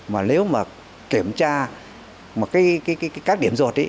mà nếu mà kiểm tra các điểm rột thì